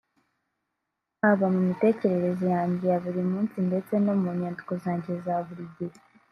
haba mu mitekerereze yanjye ya buri munsi ndetse no mu nyandiko zanjye za buri gihe